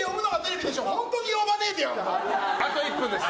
あと１分です。